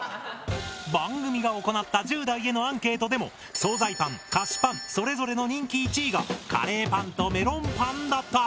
番組が行った１０代へのアンケートでも総菜パン菓子パンそれぞれの人気１位がカレーパンとメロンパンだった。